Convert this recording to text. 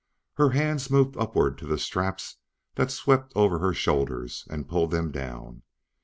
Her hands moved upward to the straps that swept over her shoulders and pulled them down.